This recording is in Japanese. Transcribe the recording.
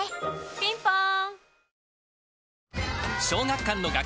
ピンポーン